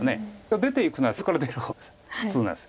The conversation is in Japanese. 出ていくなら最初から出る方が普通なんです。